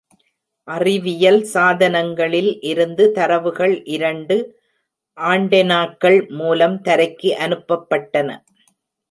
அறிவியல் சாதனங்களில் இருந்து தரவுகள் இரண்டு ஆண்டெனாக்கள் மூலம் தரைக்கு அனுப்பப்பட்டன.